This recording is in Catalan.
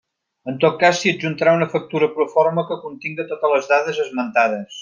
En tot cas, s'hi adjuntarà una factura proforma que continga totes les dades esmentades.